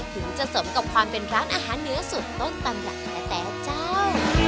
ถึงจะสมกับความเป็นร้านอาหารเหนือสุดต้นตำรับแท้แต่เจ้า